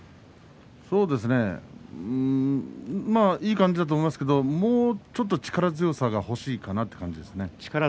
そうですねいい感じだと思いますけどもうちょっと力強さが欲しいかなという感じですね。